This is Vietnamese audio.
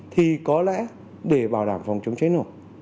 thì có lẽ để bảo đảm phòng chống cháy nổ